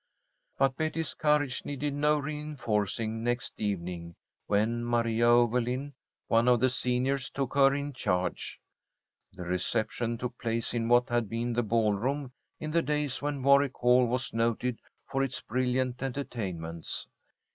But Betty's courage needed no reinforcing next evening, when Maria Overlin, one of the seniors, took her in charge. The reception took place in what had been the ballroom, in the days when Warwick Hall was noted for its brilliant entertainments.